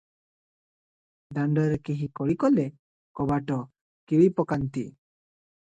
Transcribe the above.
ଦାଣ୍ଡରେ କେହି କଳି କଲେ କବାଟ କିଳି ପକାନ୍ତି ।